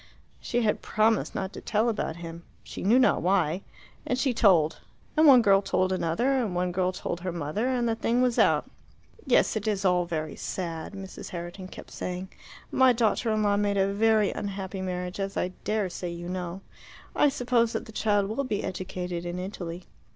She had promised not to tell about him she knew not why and she told. And one girl told another, and one girl told her mother, and the thing was out. "Yes, it is all very sad," Mrs. Herriton kept saying. "My daughter in law made a very unhappy marriage, as I dare say you know. I suppose that the child will be educated in Italy.